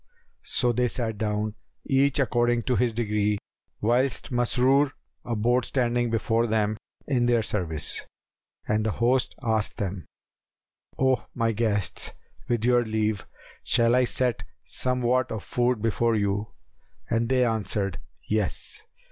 So they sat down, each according to his degree, whilst Masrur abode standing before them in their service; and the host asked them, "O my guests, with your leave, shall I set somewhat of food before you?" and they answered, "Yes."